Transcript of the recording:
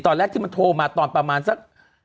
ตอนแรกที่มันโทรมาตอนประมาณสัก